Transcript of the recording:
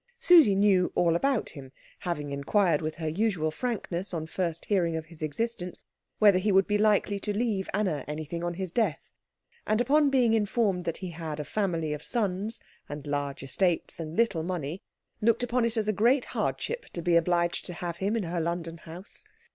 Susie knew all about him, having inquired with her usual frankness on first hearing of his existence whether he would be likely to leave Anna anything on his death; and upon being informed that he had a family of sons, and large estates and little money, looked upon it as a great hardship to be obliged to have him in her London house.